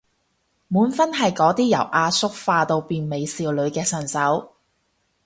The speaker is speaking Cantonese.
滿分係嗰啲由阿叔化到變美少女嘅神手